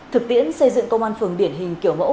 thực tiễn xây dựng công an phường điển hình kiểu mẫu